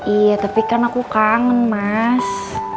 iya tapi kan aku kangen mas